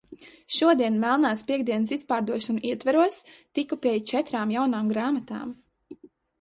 Šodien melnās piektdienas izpārdošanu ietvaros tiku pie četrām jaunām grāmatām.